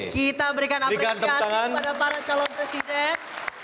kita berikan apresiasi kepada para calon presiden